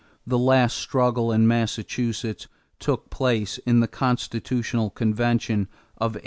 The last struggle in Massachusetts took place in the constitutional convention of 1820.